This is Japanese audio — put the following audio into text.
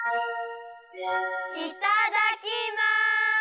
いただきます！